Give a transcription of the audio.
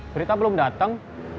berita belum datang